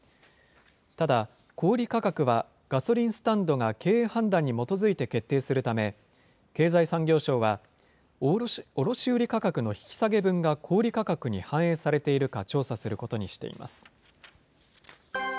ただ、小売り価格はガソリンスタンドが経営判断に基づいて決定するため、経済産業省は卸売り価格の引き下げ分が小売り価格に反映されているか調査することにしています。